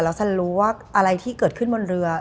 แล้วฉันรู้ว่าอะไรที่เกิดขึ้นบนเรือ